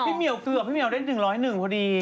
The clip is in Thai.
มะเมี๋วเกือบมะเมี๋วได้๑๐๑พอดี